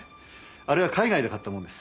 あれは海外で買ったものです。